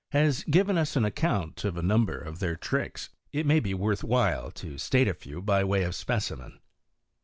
has given us an account of a number of their tricks* It may be worth while to state a few by way of specimen.